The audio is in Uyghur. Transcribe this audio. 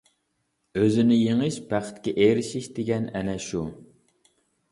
ئۆزىنى يېڭىش، بەختكە ئېرىشىش دېگەن ئەنە شۇ.